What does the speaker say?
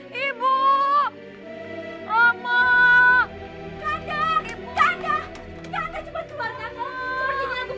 cepat kata lasmini